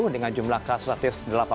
dengan jumlah kasus aktif delapan belas